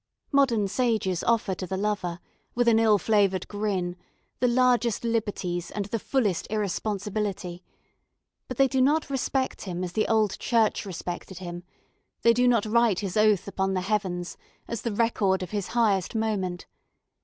Modern sages offer to the lover, with an ill flavoured grin, the largest liberties and the fullest irresponsibility; but they do not respect him as the old Church respected him; they do not write his oath upon the heavens, as the record of his highest moment.